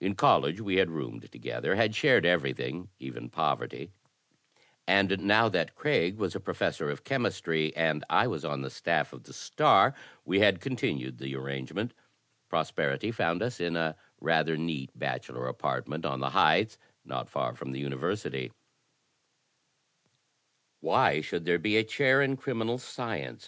In college we had roomed together, had shared everything, even poverty, and now that Craig was a professor of chemistry and I was on the staff of the Star, we had continued the arrangement. Prosperity fotmd us in a rather neat bachelor apart ment on the Heights, not far from the University. 82 THE TECHNIQUE OF THE MYSTERY STORY "Why should there be a chair in criminal science?"